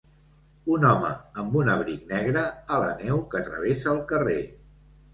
Un home amb un abric negre a la neu que travessa el carrer.